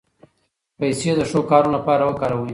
پیسې د ښو کارونو لپاره وکاروئ.